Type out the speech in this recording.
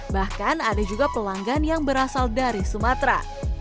bahkan ada juga pelanggan yang berasal dari sumatera